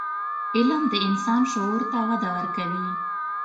علم د انسان شعور ته وده ورکوي.